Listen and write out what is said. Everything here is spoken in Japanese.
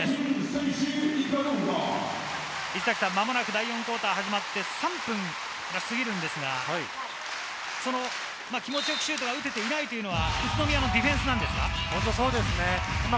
第４クオーター、間もなく３分がすぎるんですが、気持ちよくシュートが打てていないというのは宇都宮のディフェンスなんですか？